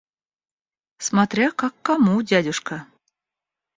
Смотря как кому, дядюшка.